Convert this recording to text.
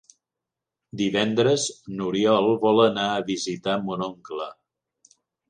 Divendres n'Oriol vol anar a visitar mon oncle.